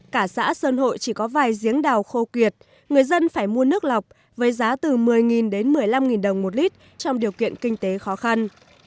cả xã sơn hội chỉ có vài giếng đào khô kiệt người dân phải mua nước lọc với giá từ một mươi đến một mươi năm đồng một lít trong điều kiện kinh tế khó khăn